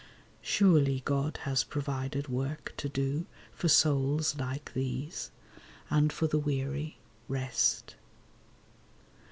Surely God has provided work to do For souls like these, and for the weary, rest.